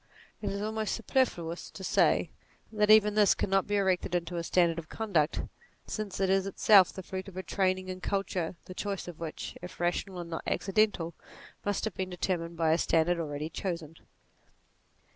It is almost superfluous to say that even this cannot be erected into a standard of con duct, since it is itself the fruit of a training and culture the choice of which, if rational and not accidental, must have been determined by a standard already chosen.